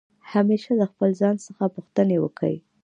همېشه د خپل ځان څخه پوښتني وکئ!